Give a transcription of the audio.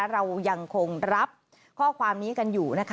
เรายังคงรับข้อความนี้กันอยู่นะคะ